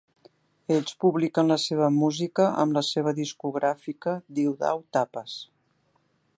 Ells publiquen la seva música amb la seva discogràfica Diu Dau Tapes.